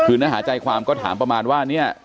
คือเนื้อหาใจความก็ถามประมาณว่าเนี่ย